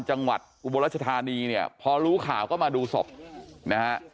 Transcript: จังหวัดอุบัติรัชธานีเนี่ยพอรู้ข่าวก็มาดูศพนะฮะ